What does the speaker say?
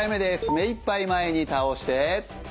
目いっぱい前に倒して。